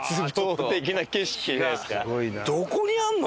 どこにあるの？